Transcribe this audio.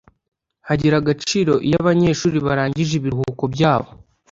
hagira agaciro iyo abanyeshuri barangije ibiruhuko byabo